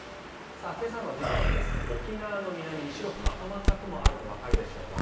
今朝の時点で沖縄の南に白くまとまった雲があるのがわかるでしょうか。